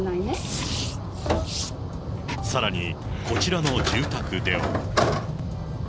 さらに、こちらの住宅では。